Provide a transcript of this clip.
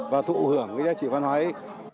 và thụ hưởng cái giá trị văn hóa ấy